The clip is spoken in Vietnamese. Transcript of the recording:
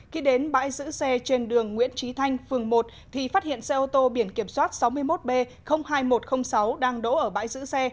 khi đến bãi giữ xe trên đường nguyễn trí thanh phường một thì phát hiện xe ô tô biển kiểm soát sáu mươi một b hai nghìn một trăm linh sáu đang đỗ ở bãi giữ xe